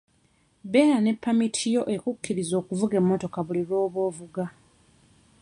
Beera ne ppamiti yo ekukkiriza okuvuga emmotoka buli lw'oba ovuga.